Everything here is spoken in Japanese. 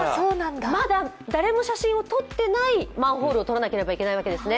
まだ誰も写真を撮ってないマンホールを撮らないといけないわけですね。